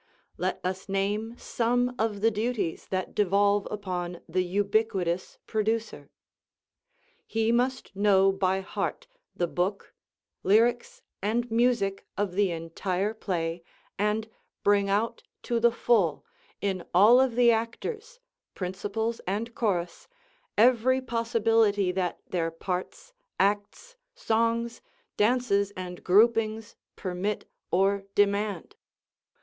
Let us name some of the duties that devolve upon the ubiquitous producer: He must know by heart the book, lyrics and music of the entire play, and bring out to the full, in all of the actors, principals and chorus, every possibility that their parts, acts, songs, dances and groupings permit or demand.